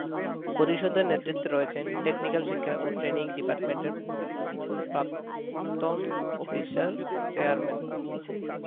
পরিষদের নেতৃত্বে রয়েছেন, টেকনিক্যাল শিক্ষা ও ট্রেনিং ডিপার্টমেন্ট প্রাক্তন অফিসার চেয়ারম্যান।